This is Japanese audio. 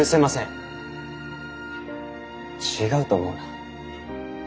違うと思うな。